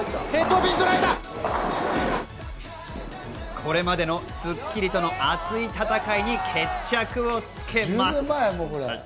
これまでの『スッキリ』との熱い戦いに決着をつけます！